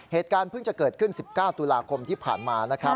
เหตุการณ์เพิ่งจะเกิดขึ้น๑๙ตุลาคมที่ผ่านมา